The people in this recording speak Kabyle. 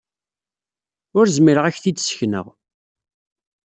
Ur zmireɣ ad k-t-id-ssekneɣ.